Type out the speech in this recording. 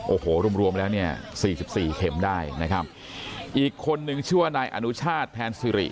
โอ้โหรวมรวมแล้วเนี่ยสี่สิบสี่เข็มได้นะครับอีกคนนึงชื่อว่านายอนุชาติแทนสิริ